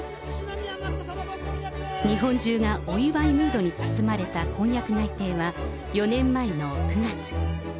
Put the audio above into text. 日本中がお祝いムードに包まれた婚約内定は、４年前の９月。